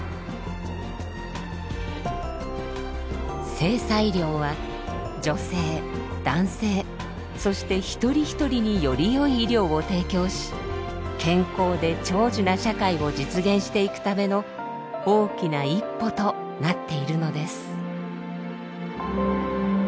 性差医療は女性男性そして一人一人によりよい医療を提供し健康で長寿な社会を実現していくための大きな一歩となっているのです。